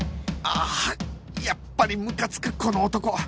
ああやっぱりムカつくこの男！